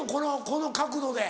この角度で。